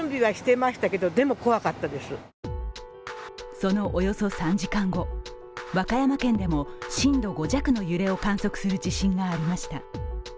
そのおよそ３時間後、和歌山県でも震度５弱の揺れを観測する地震がありました。